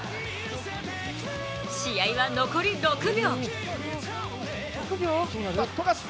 試合は残り６秒。